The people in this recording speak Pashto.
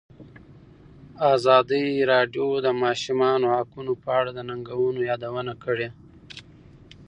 ازادي راډیو د د ماشومانو حقونه په اړه د ننګونو یادونه کړې.